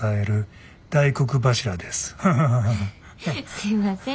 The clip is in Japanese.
すいません